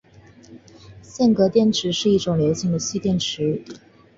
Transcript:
镍镉电池是一种流行的蓄电池。